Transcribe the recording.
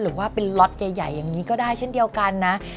หรือว่าเป็นล็อตใหญ่อย่างนี้ก็ได้เช่นเดียวกันนะ